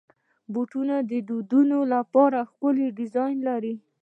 بوټونه د ودونو لپاره ښکلي ډیزاین لري.